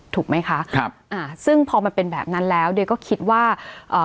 ถูกไหมคะครับอ่าซึ่งพอมันเป็นแบบนั้นแล้วเดย์ก็คิดว่าเอ่อ